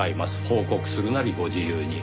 報告するなりご自由に。